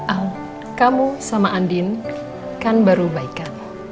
al kamu sama andin kan baru baika